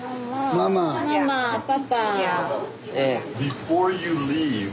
ママパパ。